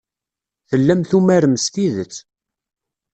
Tellam tumarem s tidet.